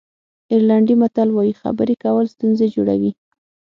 آیرلېنډي متل وایي خبرې کول ستونزې جوړوي.